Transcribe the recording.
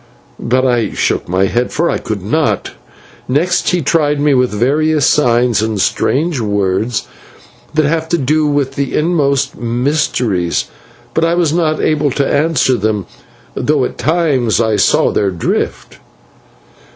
"But I shook my head, for I could not. Next he tried me with various signs and strange words that have to do with the inmost mysteries, but I was not able to answer them, though at times I saw their drift.